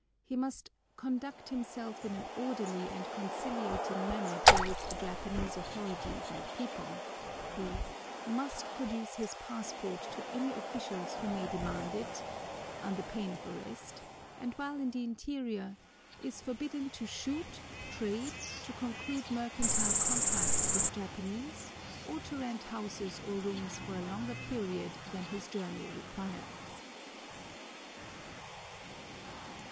He must "conduct himself in an orderly and conciliating manner towards the Japanese authorities and people;" he "must produce his passport to any officials who may demand it," under pain of arrest; and while in the interior "is forbidden to shoot, trade, to conclude mercantile contracts with Japanese, or to rent houses or rooms for a longer period than his journey requires."